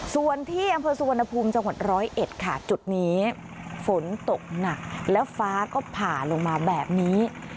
ส่วนที่อำเภอสุวรรณภูมิจังหวัดร้อยเอ็ดค่ะจุดนี้ฝนตกหนักแล้วฟ้าก็ผ่าลงมาแบบนี้